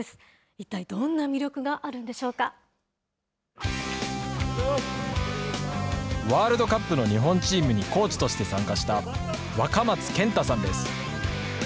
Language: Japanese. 一体どんな魅力があるんでしょうワールドカップの日本チームにコーチとして参加した若松健太さんです。